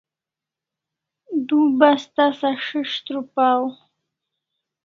Du bas tasa s'is' trupaw